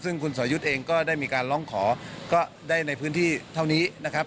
ซึ่งคุณสอยุทธ์เองก็ได้มีการร้องขอก็ได้ในพื้นที่เท่านี้นะครับ